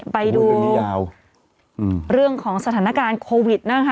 ไปดูเรื่องของสถานการณ์โควิดนะคะ